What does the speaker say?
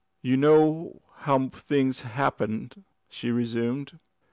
"You know how things happen," she resumed.